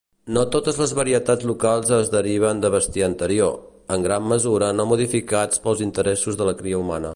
No totes les varietats locals es deriven de bestiar anterior, en gran mesura no modificats pels interessos de la cria humana.